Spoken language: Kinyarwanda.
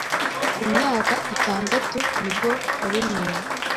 Ku myaka itandatu nibwo yabimeye